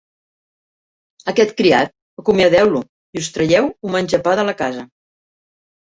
Aquest criat, acomiadeu-lo i us traieu un menjapà de la casa.